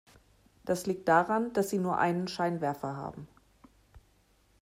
Das liegt daran, dass sie nur einen Scheinwerfer haben.